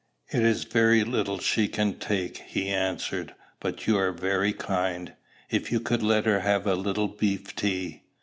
"It is very little she can take," he answered; "but you are very kind. If you could let her have a little beef tea?